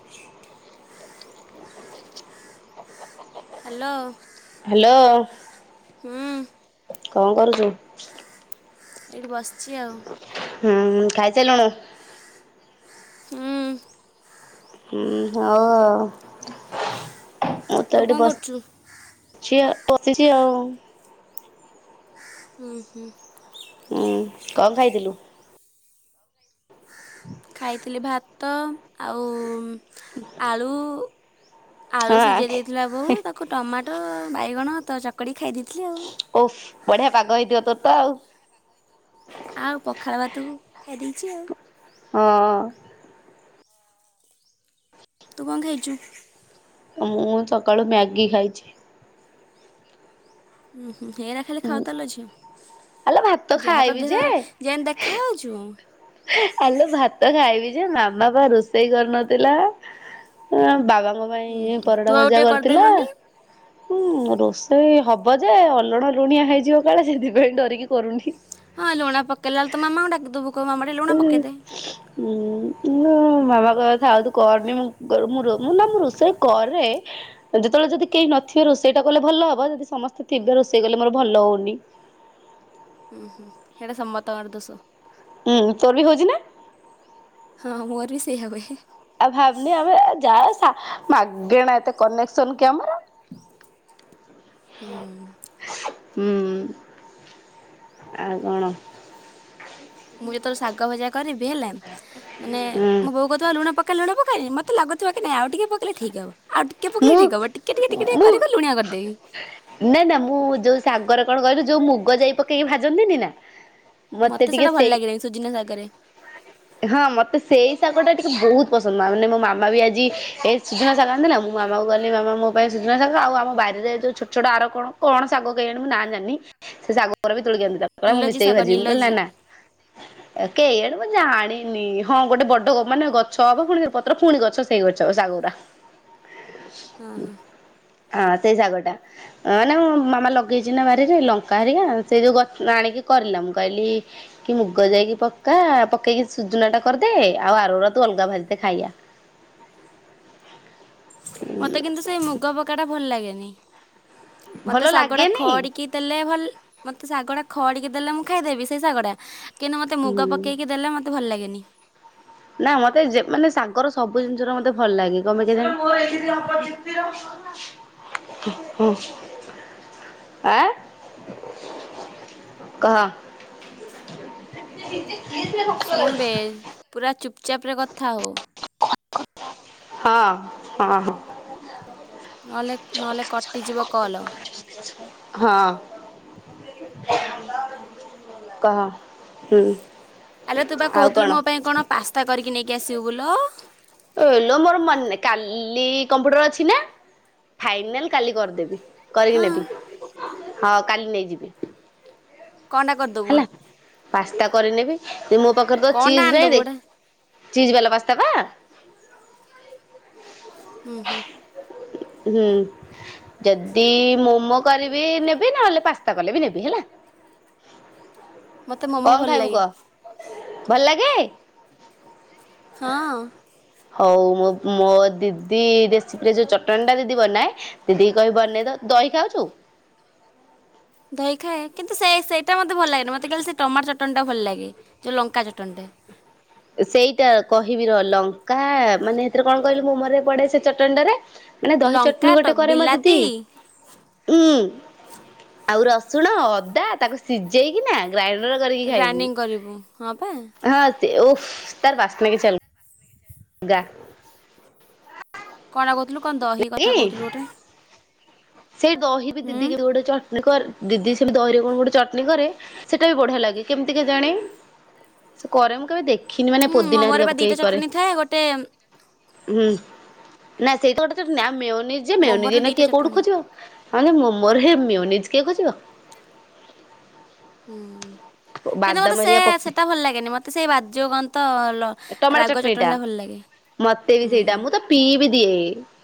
ସଁୟଟଂ କାଁ କାଁ hello. Hello. ହୁଁ। କଣ କରୁଛୁ? ଏଇଠି ବସିଛି ଆଉ। ହୁଁ, ଖାଇ ସାଇ ଲୁଣୁ? ହୁଁ। ହୁଁ, ହଉ, ଆଉ ମୁଁ ତୁ ତ କଣ ଏଠି ବସ କରୁଛୁ ସି ପଶିଛି ଆଉ। ହୁଁ ହୁଁ। ଉୁଁ, କଣ ଖାଇଥିଲୁ? ଖାଇଥିଲି, ଭାତ ଆଉ ଆଳୁ ଆଳୁ ସିଝେଇ ହଁ ଦେଇଥିଲା ବୋଉ। ତାକୁ ଟମାଟୋ ବାଇଗଣ ତ ଚକଡି ଖାଇ ଦେଇଥିଲି। ଆଉ ଓଃ, ବଢିଆ ପାଗ ହେଇଥିବ ତୋର ତ ଆଉ। ଆଉ ପଖାଳ ଭାତକୁ ଖାଇ ଦେଇଛି ଆଉ। ହଁ। ତୁ କଣ ହେଇଛୁ? ମୁଁ ସକାଳୁ ମ୍ୟାଗି ଖାଇଛି। ହୁଁ ହୁଁ‌ ‌ହେରା ଖାଲି ଖାଉ ଥାଲୋ ଝିଅ ଆଲୋ ଭାତ ଯାହା ତ ଖାଇବି ଦେହ ଯେ ଯେନ୍ତି ଦେଖାହଉଛୁ। ଆଲୋ ଭାତ ଖାଇବି ଯେ, ମାମା ପା ରୋଷେଇ କରିନଥିଲା। ବାବାଙ୍କ ହୁଁ ପାଇଁ ହୁଁ ତୁ ପରଡା ଆଉ ଭଜା ଟିକେ କରିଥିଲା। କରିଦେଲୁନି ହୁଁ ରୋଷେଇ ହବ ଯେ ଅଲଣ ଲୁଣିଆ ହେଇଯିବ କାଳେ ସେଥିପାଇଁ ଡରିକି କରୁନି। ହଁ, ଲୁଣ ପକେଇଲାଏଳୁ ତୋ ମାମା କୁ ଡାକିଦବୁ। ହ, ହଁ। ମୋ ମାମାଙ୍କ କହିବ ଥାଉ ତୁ କରନି, ମୁଁ, ମୁଁ, ମୁଁ, ନା ମୁଁ ରୋଷେଇ କରେ। ଯେତେବେଳେ ଯଦି କେହି ନଥିବେ ରୋଷେଇ ଟା କଲେ ଭଲ ହବ। ଯଦି ସମସ୍ତେ ଥିବେ ରୋଷେଇ କଲେ ମୋର ଭଲ ହଉନି। ହୁଁ, ହୁଁ, ହେଟା ସମ୍ମତକର ଦୋସ। ହୁଁ, ତୋର୍ ବି ହେଉଚି ନା? ହଁ ହଁ, ମୋର ବି ସେଇଆ ହୁଏ। ଆଉ ଭାବନି ଆମେ ଯାହା ମାଗେଣା ଏତେ କନେକ୍ସନ କି ଆମର। [inaudible] ହୁଁ। ହୁଁ ଆଉ କଣ? ମୁଁ ଯେତେବେଳେ ଶାଗ ଭଜା କରିବି ହେଲା ମାନେ ହୁଁ ମୋ ବୋଉ କହୁଥିବ ଲୁଣ ପ ପକା ଲୁଣ ପକେଇ ମତେ ଲାଗୁଥିବ କି ନାଇ ଆଉ ଟିକେ ପକେଇଲେ ଠିକ୍ ହବ। ଆଉ ଟିକେ ମୁଁ ପକେଇଲେ ଠିକ୍ ହବ ଟିକେ ଟିକେ ଟିକେ ମୁଁ କରିକରି ଲୁଣିଆ କରିଦେବି। ନା ନା ମୁଁ ଯୋଉ ସାଗ ରେ କଣ କହିଲୁ ଯୋଉ ମୁଗ ଯାଇ ପକେଇକି ଭାଜନ୍ତିନି ନା ମତେ ଟିକେ ସେଇଟା ଭଲ ସେଇ ଲାଗେନି ସୁଜୁନା ଶାଗରେ ହଁ ମତେ ସେଇ ଶାଗ ଟା ଟିକେ ବହୁତ ପସନ୍ଦ ମା ମାନେ ମୋ ମାମା ବି ଆଜି ଏ ସଜନା ଶାଗ ଆଣିଥିଲା ମୁଁ ମାମା କହିଲି ମାମା ମୋ ପାଇଁ ସଜନା ଶାଗ ଆଉ ଆମ ବାରିରେ ଯୋଉ ଛୋ ଯୋଉଟା ଆରକ କଣ ଶାଗ କେଜାଣି ମୁଁ ନାଁ ଜାଣିନି ସେ ଶାଗ ଗୁରା ବି ତୋଳି କି ଆଣିଥିଲା। କହିଲା ମୁଁ ନିଲଜି ମିସେଇକି ଶାଗ ଭାଜିବି ମୁଁ କହିଲି ନିଲଜି ନା ନା କେହିଆଡେ ମୁଁ ଜାଣିନି ହଁ ଗୋଟେ ବଡ଼ ମାନେ ଗଛ ହବ ଫୁଣି ପତ୍ର ଫୁଣି ଗଛ ସେଇ ଗଛ ସାଗ ଗୁରା ହଁ ହଁ ହଁ ସେଇ ସାଗ ଟା,। ହଁ ନା ମୁଁ ମାମା ଲଗେଇଚି ନା ବାରିରେ ଲଙ୍କା ହେରିକା ସେଇ ଯେଉଁ ଗଛ ଆଣିକି କରିଲା ମୁଁ କହିଲି କି ମୁଗ ଯାଇକି ପକା ପକେଇକି ସୁଜୁନା ଟା କରିଦେ ଆଉ ଆର ଗୁରା ତୁ ଅଲଗା ଭାଜି ଦେ ଖାଇବା। ମୋତେ କିନ୍ତୁ ସେଇ ମୁଗ ପକାଟା ଭଲ ଲାଗେନି ମତେ ଭଲ ଶାଗ ଟା ଲାଗେନି ଖଡ଼ିକି ଦେଲେ ଭଲ-ମୋତେ ସାଗ ଟା ଖଡିକି ଦେଲେ ମୁଁ ଖାଇଦେବି ସେ ଶାଗଟା କିନ୍ତୁ ମୋତେ ମୁଗ ହୁଁ ପ ପକେଇକି ଦେଲେ ମୋତେ ଭଲ ଲାଗେନି। ନା ମତେ ଯେ-ମାନେ ଶାଗର ସବୁ ଜିନିଷ ର ମତେ ଭଲ ଲାଗେ କଣ ପାଇଁ କେଜାଣି ଆଁ। କହ? [inaudible] ଶୁଣବେ ପୁରା ଚୁପଚାପ୍ ରେ କଥା ହୋ। ହଁ ହଁ। ନହେଲେ-ନହେଲେ କଟିଯିବ କଲ୍। ହଁ। କହ ହୁଁ। ଆଲୋ ତୁ ବା ଆଉ କହୁଥିଲୁ କଣ ମୋ ପାଇଁ କଣ ପାସ୍ତା କରିକି ନେଇକି ଆସିବୁ ଲୋ? ଏଇଲୋ ମୋର ମନେ ନାଇ କାଲି କମ୍ପ୍ୟୁଟର ଅଛି ନା ଫାଇନାଲ୍ କାଲି କରିଦେବି। କରିକି ହଁ ନେବି ହଁ କାଲି ନେଇଯିବି। କଣଟା କରିଦେବୁ? ହେଲା ପାସ୍ତା କରିନେବି ମୋ ପାଖରେ ତ କ'ଣଟା ଚିଜ୍ ନାହିଁ ଆଣିଦେବୁ ଗୋଟେ ଦେଖ ଚିଜ ବାଲା ପାସ୍ତା ବା? ହୁଁ ହୁଁ। ହୁଁ। ଯଦି ମୋମୋ କରିବି ନେବି ନହେଲେ ପାସ୍ତା କଲେ ବି ନେବି ହେଲା। ମୋତେ ମୋମୋ କଣ ଭଲ ଖାଇବୁ ଲାଗେ କହ ଭଲ ଲାଗେ? ହଁ। ହୋଉ ମୋ-ମୋ ଦିଦି ରେସିପିରେ ଯୋଉ ଚଟଣିଟା ଦିଦି ବନାଏ ଦିଦି କହିବି ବନେଇ ଦବ ଦହି ଖାଉଚୁ? ଦହି ଖାଏ କିନ୍ତୁ ସେଇଟା ମୋତେ ଭଲ ଲାଗେନି ମୋତେ କାଲି ସେ ଟମାଟ ଚଟଣିଟା ଭଲ ଲାଗେ ଯେଉଁ ଲଙ୍କା ଚଟଣଟା। ସେଇଟା କହିବି ରହ ଲଙ୍କା ମାନେ ସେଥିରେ କଣ କହିଲି ମୁଁ ମୋମୋରେ ପଡେ ସେ ଚଟଣିଟାରେ ମାନେ ଦହି ଲଙ୍କା ଚଟଣି ଗୋଟେ ଟ- କରେ ମୋ ଦିଦି ବିଲାତି ଉଁ ଆଉ ରସୁଣ ଅଦା ତାକୁ ସିଝ ଯେଇକି ନା ଗ୍ରାଇଣ୍ଡର କରିକି ଖାଇବୁ। ଗ୍ରାଇଣ୍ଡିଙ୍ଗ କରିବୁ ହଁ ପା ହଁ ଓଃ ତାର ବାସ୍ନା କିଛି ଅଲ୍ ଗା କଣଟା କହୁଥିଲୁ କଣ ଦହି କଥା କହୁଥିଲୁ ଗୋଟେ? ସେଇ ଦହି ବି ହୁଁ ଦିଦି ଗୋଡ଼େ ଚ ମାନେ କୁହ ଦିଦି ସେ ଦହିରେ କଣ ଗୋଟେ ଚଟଣି କରେ ସେଇଟା ବି ବଢିଆ ଲାଗେ କେମିତି କେଜାଣି। ସେ କରେ ମୁଁ କେବେ ଦେଖିନି ମାନେ ହୁଁ ପୋଦିନା ମୋମୋରେ ହେରିକା ବା ଦୁଇଟା ପକେଇକି କରେ। ଚଟଣି ଥାଏ ଗୋଟେ ହୁଁ ନାଇଁ ସେଇ ତ ଗୋଟେ ମେଓନିଜ ମେଓନିଜ ମୋମୋରେ ନା ଦୁଇଟା କିଏ କୋଉଠି ଚଟଣି ଖୋଜିବ? ହଁ ଯେ ମୁଁ ମୋର ହେ ମିଓନିଜ୍ କିଏ ଖୋଜିବ? ହୁଁ କିନ୍ତୁ ବାଦାମ ମୋତେ ସେ ହେରିକା ପକେଇ ସେଇଟା ଭଲ ଲାଗେନି ମୋତେ ସେଇ ବାଜୁଗନ୍ତ ଟମାଟୋ ରାଗ ଚଟଣିଟା ଚଟଣୀଟା ଭଲ ଲାଗେ। ମତେ ବି ହୁଁ ସେଇଟା ମୁଁ ତ ପିଇ ବି ନି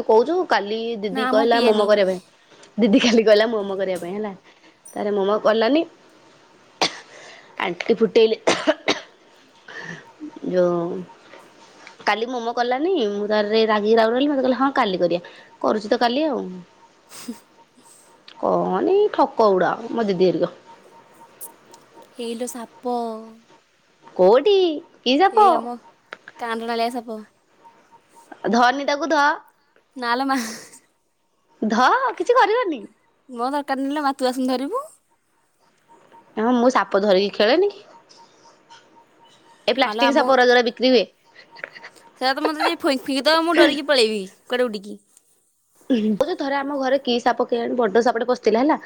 ତୁ କହୁଛୁ କାଲି ନା ଦିଦି ମୁଁ କହିଲା ପିଏନି। ମୋମ କରିବା ପାଇଁ। ଦିଦି କାଲି କହିଲା ମୋମ କରିବା ପାଇଁ ହେଲା ତାରେ ମୋମ କଲାନି। ଆଣ୍ଟି ଫୁଟେଇଲେ ଯୋଉ କାଲି ମୋମୋ କଲାନି ମୁଁ ତାହରେ ରାଗିକି ରାହୁନହଲି ମତେ କହିଲେ ହଁ କାଲି କରିବା କରୁଛି ତ କାଲି ଆଉ [inaudible] କହନି ଠକ ଗୁଡ଼ା [unintelligible] ହେଇଲୋ ସାପ। କୋଉଠି? କି ସାପ ଏଇ ଆମ କାଣ୍ଡଣାଳିଆ ସାପ। ଧନୀ ତାକୁ ଧ। ନାଲୋ ମା। ଧ କିଛି କରିବନି। ମୋ ଦରକାର ନାଇଲୋ ମା ତୁ ଆସୁନୁ ଧରିବୁ। ହଁ, ମୁଁ ସାପ ଧରିକି ଖେଳେନି। ଏ ଆଲୋ ପ୍ଲାଷ୍ଟିକ ଆମ ସାପ ଗୁରା ଯୋଉରା ବିକ୍ରି ହୁଏ। ସେଇଟା ତ ମତେ ଯେ ଫ ଫିଙ୍କି ତ ମୁଁ ଡରିକି ପଳେଇବି। କୁଆଡେ ଉଡ଼ିକି ଥରେ ଆମ ଘରେ କିଏ ସାପ କିଏ ଆଣେ ବଡ ସାପଟେ ପସିଥିଲା ହେଲା।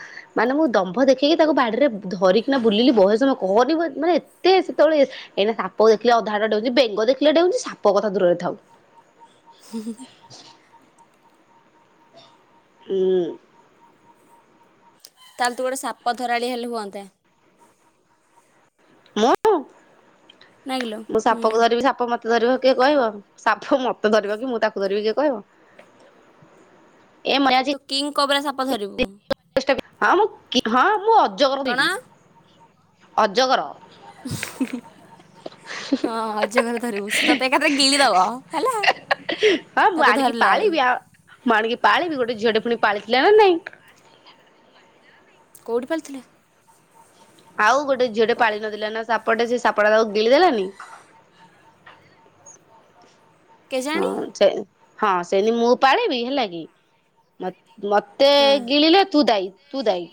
ମାନେ ମୁଁ ଦମ୍ଭ ଦେଖେଇକି ତାକୁ ବାଡିରେ ଧରିକିନା ବୁଲିଲି ବହେ ସମୟ କହନି ବ ମାନେ ଏତେ ସେତେବେଳେ ଏଇନା ସାପ ଦେଖିଲେ ଅଧାବାଟ ଡେଉଁଛି ବେଙ୍ଗ ଦେଖିଲେ ଡେଉଁଛି ସାପ କଥା ଦୂରରେ ଥାଉ। [inaudible] ହୁଁ। ତାହେଲେ ତୁ ଗୋଟେ ସାପ ଧରାଳି ହେଲେ ହୁଅନ୍ତା। ମୁଁ ନା କିଲୋ ମୁଁ ହୁଁ। ସାପକୁ ଧରିବି ସାପ ମତେ ମତେ ଧରିବ କିଏ କହିବ ସାପ ମତେ ଧରିବ କି ମୁଁ ତାକୁ ଧରିବି କିଏ କହିବ? ଏ ମତେ ଆଜି। କିଙ୍ଗ୍ କୋବ୍ରା ସାପ ଧରିବୁ। ହଁ ମୁଁ ହଁ ମୁଁ ଅଜଗର କଣ ଦେବି। ଅଜଗର। [inaudible] ହଁ ଅଜଗର ଧରିବୁ ସେ ତତେ ଏକାଥରେ ଗିଳିଦବ ହେଲା। ହଁ ମୁଁ ତାକୁ ଆଣିକି ଧରିଲା ବେଳୁ ପାଳିବିି ଆ ମୁଁ ଆଣିକି ପାଳିବି ଗୋଟେ ଝିଅଟେ ପୁଣି ପାଳିଥିଲା ନା ନାଇଁ। କୋଉଠି ପାଳିଥିଲେ? ଆଉ ଗୋଟେ ଝିଅଟେ ପାଳି ନଥିଲା ନା ସାପଟେ ସେ ସାପଟା ତାକୁ ଗିଳି ଦେଲାନି। କେଜାଣି ହଁ ସେନ୍ତି ମୁଁ ପାଳିବି ହେଲା କି ମ ମୋ ମୋତେ ହଁ ଗିଳିଲେ ତୁ ଦାଇ ତୁ ଦାଇ।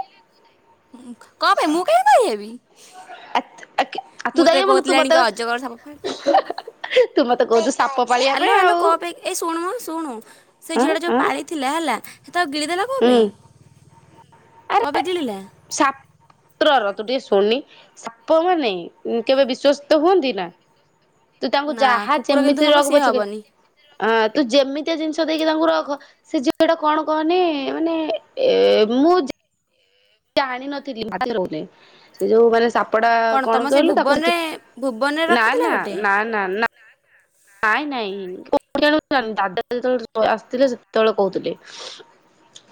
କଣବେ ମୁଁ କାଇଁ ଦାଇ ହେବି? ଆ ତୁ ମୁଁ ଦାୟୀ ତତେ ହବୁନୁ ତୁ କହୁଥିଲି ମତେ ଆଣିକି ଅଜଗର ସାପ ପାଳି ତୁ ମତେ କହୁଛୁ ସାପ ପାଳିବା ପାଇଁ ଆଲୋ ଆଲୋ ଆଉ କଣ ପାଇଁ ଏ ଶୁଣୁ ଶୁଣୁ ସେ ଆଁ ଝିଅଟା ଯୋଉ ଆଁ ପାଳି ଥିଲା ହେଲା ସେ ତାକୁ ଗିଳିଦେଲା କଣ ହୁଁ ପାଇଁ କଣ ପାଇଁ ଗିଳିଲା? ସାପ୍ରର ତୁ ଟିକେ ଶୁଣୁନି। ସାପ ମାନେ କେବେ ବିଶ୍ଵସ୍ଥ ହୁଅନ୍ତି ନା? ତୁ ତାଙ୍କୁ ନା ଯାହା କୁକୁର କିନ୍ତୁ ଯେମିତି ହବ ରଖ ସିଏ ପଛକେ ହବନି ଆ ତୁ ଯେମିତିଆ ଜିନିଷ ଦେଇକି ତାଙ୍କୁ ରଖ ସେ ଝିଅଟା କଣ କହନି ମାନେ ଏ ମୁଁ ଆଣିନଥିଲି ର ସେ ଯୋଉ ମାନେ ସା ପଟା ତମ କଣ ସେ କହିଲୁ ତାକୁ ଭୁବନରେ ଭୁବନରେ ନା ରଖିଥିଲା ନା ଗୋଟେ ନା ନା ନା। ନାଇଁ ନାଇଁ କୋ ଜ ଦାଦା ଯେତେବେଳେ ଆସିଥିଲେ ସେତେବେଳେ କହୁଥିଲେ।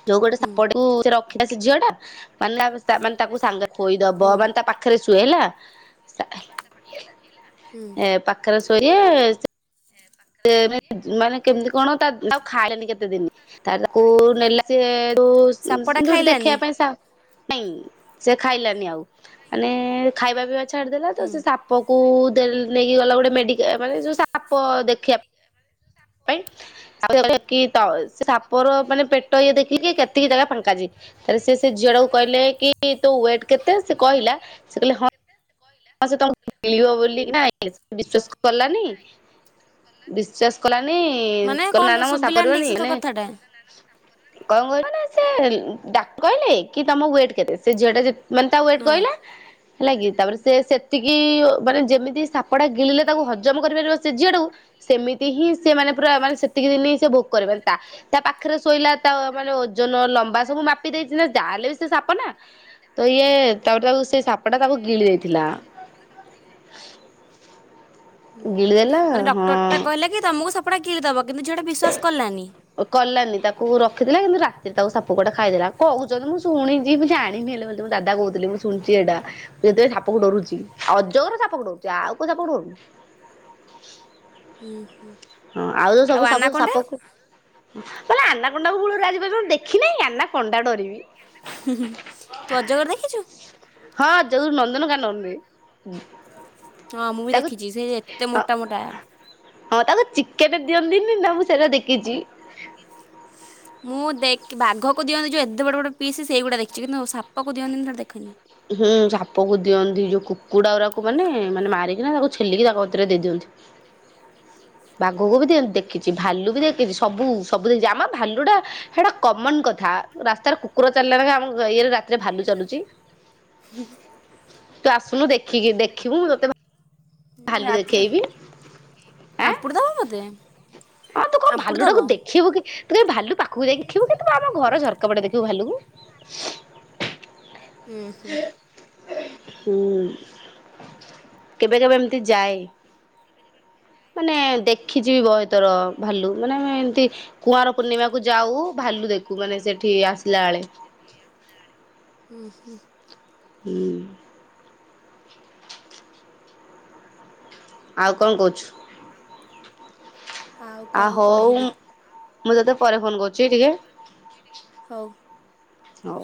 ଯୋଉ ଗୋଟେ ହୁଁ ସାପଟାକୁ ରଖିଥିଲା ସେ ଝିଅ ଟା ମାନେ ମାନେ ତାକୁ ସାଙ୍ଗ ଖୋଇଦବ ହୁଁ ମାନେ ତା ପାଖରେ ଶୁଏ ହେଲା। ହୁଁ ପାଖରେ ଶୋଇଲେ ସେ ମାନେ କେମିତି କଣ ତାକୁ ଖାଇଲାନି କେତେ ଦିନ ତ ତାକୁ ନେଲା ସ ସାପଟା ତ ଯୋଉଠି ଖାଇଲାନି? ଦେଖିବା ପାଇଁ ସା ନାଇଁ ସେ ଖାଇଲାନି ଆଉ ମାନେ ଖାଇବା ପିଇବା ଛାଡିଦେଲା ତ ହୁଁ। ସେ ସା ସାପକୁ ନେଇକି ଗଲା ଗୋଟେ ମେଡିକାଲ୍ ମାନେ ସାପ ଦେଖିବା ପାଇଁ ପାଇଁାଇ [unintelligible] ଆଉହିଲ କି ସେ ସାପର ମାନେ ପେଟ ଇଏ ଦେଖିକି କେତିକି ଜାଗା ଫାଙ୍କା ଅଛି। ହେଲେ ସେ ଝିଅଟାକୁ କହିଲେ କି ତୋ ୱେଟ୍ କେତେ ସେ କହିଲା ସେ କହିଲେ ମ ଗିଳିବ ବୋଲି ନା ବିଶ୍ଵାସ କଲାନି ବିଶ୍ଵାସ କଲାନି ମାନେ କହିଲା ନା କଣଟା ନା ମୁଁ ଶୁଭିଲାନି ଠିକ୍ ସାପାରିବାନି ସେ ତୋ ଏ କଥାଟା। କଣ କହିବ ନା ସେ ଡାକ୍ କହିଲେ କି ତମ ୱେଟ୍ କେତେ ସେ ଝିଅଟା ଯେ ମାନେ ତା ୱେଟ୍ ହଁ। କହିଲା ହେଲା କି ତାପରେ ସେ ସେତିକି ମାନେ ଯେମିତି ସାପଟା ଗିଳିଲେ ତାକୁ ହଜମ କରିପାରିବ ସେ ଝିଅଟାକୁ ସେମିତି ହିଁ ସେ ମନେ ପୁରା ମାନେ ସେତିକି ଦିନ ହିଁ ସେ ଭୋଗ କରିବେନି ତା ତା ପାଖରେ ଶୋଇଲା ତା ମାନେ ଓଜନ ଲମ୍ବା ସବୁ ମାପି ଦେଇଛି ନା ଯାହାହେଲେ ବି ସେ ସାପ ନା ତ ଇଏ ତାପରେ ତାକୁ ସେ ସାପ ଟା ତାକୁ ଗିଳି ଦେଇଛି। ଥିଲା ହୁଁ ହୁଁ ମାନେ ଡକ୍ଟର ଟା କହିଲେ କି ତମକୁ ସପଟା ଗିଳିଦେବ କିନ୍ତୁ ଝିଆଟା ବିଶ୍ଵାସ କଲାନି। କଲାନି ତାକୁ ରଖିଥିଲା କିନ୍ତୁ ରାତିରେ ତାକୁ ସାପ କୁଆଡେ ଖାଇଦେଲା କହୁଛନ୍ତି ମୁଁ ଶୁଣିଛି ମୁଁ ଜାଣିନି ହେଲେ ବୋଲି। ଦାଦା କହୁଥିଲ ମୁଁ ଶୁଣିଛି ଏଇଟା ଯେତେବେ ସାପାକୁ ଡରୁଛି ଅଜଗର ସାପକୁ ଡରୁଛି ଆଉ କୋଉ ସାଛପକୁ ଡରୁନି। ହୁଁ ହୁଁ। ହଁ ଆଉ ଯଉ ସବୁ ସାପ ସାପକୁ ଁହେ ଆନାକଣ୍ଡା କୁ ମୂଳୁରୁ ଆଜି ପର୍ଯ୍ୟନ୍ତ ଦେଖିିନହିଁ ଆନା କଣ୍ଡା ଡରିବି। ହୁଁୁଁ ତୁ ଅଜଗର ଦେଖିଛୁ? ହଁ ଯଉ ନନ୍ଦନକାନରେ। ହଁ ମୁଁ ବି ଦେଖିଚି, ସେ ଏତେ ମୋଟା ମୋଟା। ହଁ ତାକୁ ଚିକେଟ ଦିଅନ୍ତିନି ନା, ମୁଁ ସେଇଟା ଦେଖିଚି। ମୁଁ ଦେଖି ବାଘକୁ ଦିଅନ୍ତି ଯେଉଁ ଏତେ ବଡ଼ ବଡ଼ ପିସ୍ ସେଇଗୁଡ଼ା ଦେଖିଛି କିନ୍ତୁ ସାପକୁ ଦିଅନ୍ତିନି ସେଇଟା ଦେଖିନି। ହୁଁ ସାପକୁ ଦିଅନ୍ତି, ଯଉ କୁକୁଡ଼ା ଗୁଡ଼ାକୁ ମାନେ, ମାନେ ମାରିକିନା ତାକୁ ଛେଲିକି ତାକ ଅତିରେ ଦେଇ ଦିଅନ୍ତି। [unintelligible] ବାଘକୁ ବି ଦିଅନ୍ତି ଦେଖିଚି, ଭାଲୁ ବି ଦିଅନ୍ତି ଦେଖିଚି, ସବୁ ସବୁ ଦେଖିଚି, ଆମ ଭାଲୁଟା ହେଇଟା କମନ କଥା, ରାସ୍ତାରେ କୁକୁର ଚାଲିଲା ନାଖେ ଆମ ଇଏରେ ରାତିରେ ଭାଲୁ ଚାଲୁଚି। ହୁଁ ହୁଁ। ତୁ ଆସୁନୁ ଦେଖିକି ଦେଖିବୁ, ତତେ ଭା ଉଁ, ଭାଲୁ ରାତିରେ ଦେଖେଇବି। ଆଁ ଆମ୍ପୁଡ଼ି ଦବ ମତେ, ହଁ ଆମ୍ପୁଡ଼ି ଦବ। ତୁ ତାକୁ ଦେଖିବୁ କି ତୁ କାଇଁ ଭାଲୁ ପାଖକୁ ଯାଇକି ଦେଖିବୁ କି? ତୁ ପା ଆମ ଘର ଝରକା ପଟେ ଦେଖିବୁ ଭାଲୁକୁ। ହୁଁ ହୁଁ ହୁଁ, କେବେ କେବେ ଏମ୍ ତି ଯାଏ। ମାନେ ଦେଖିଚି ବି ବହେଥର ଭାଲୁ, ମାନେ ଆମେ ଏମତି କୁଆର ପୂର୍ଣ୍ଣିମା କୁ ଯାଉ, ଭାଲୁ ଦେଖୁ ମାନେ ସେଠି ଆସିଲା ବେଳେ। ହୁଁ ହୁଁ। ହୁଁ ଆଉ କଣ କହୁଛୁ? ଆଉ ଆ କ'ଣ ହଉ କହିବି ମୁଁ ତୋତେ ପରେ ଫୋନ୍ କରୁଚି ଟିକେ। ହଉ। ହଉ।